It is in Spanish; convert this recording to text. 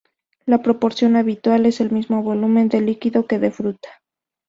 La proporción habitual es el mismo volumen de líquido que de fruta.